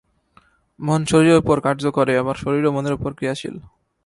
মন শরীরের উপর কার্য করে, আবার শরীরও মনের উপর ক্রিয়াশীল।